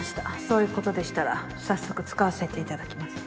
そういうことでしたら早速使わせて頂きます